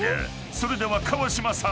［それでは川島さん